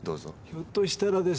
ひょっとしたらですね